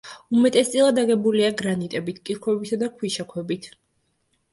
უმეტესწილად აგებულია გრანიტებით, კირქვებითა და ქვიშაქვებით.